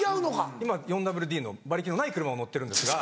今４ＷＤの馬力のない車乗ってるんですが。